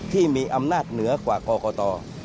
ที่มีอำนาจเหนือกว่ากรกต